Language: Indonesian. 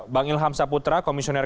bang ilham saputra komisioner